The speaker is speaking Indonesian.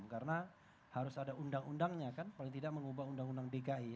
karena harus ada undang undangnya paling tidak mengubah undang undang dki